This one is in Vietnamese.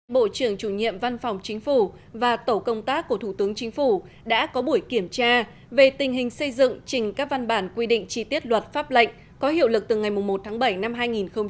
bộ trưởng chủ nhiệm văn phòng chính phủ và tổ công tác của thủ tướng chính phủ đã có buổi kiểm tra về tình hình xây dựng trình các văn bản quy định chi tiết luật pháp lệnh có hiệu lực từ ngày một tháng bảy năm hai nghìn hai mươi